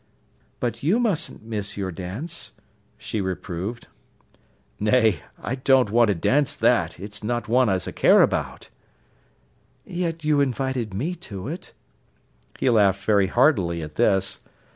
"But you mustn't miss your dance," she reproved. "Nay, I don't want to dance that—it's not one as I care about." "Yet you invited me to it." He laughed very heartily at this.